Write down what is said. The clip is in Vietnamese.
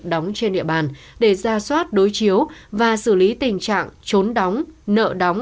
đóng trên địa bàn để ra soát đối chiếu và xử lý tình trạng trốn đóng nợ đóng